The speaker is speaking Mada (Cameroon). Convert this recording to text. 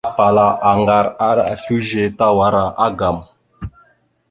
Tapala aŋgar ara slʉze tawara agam.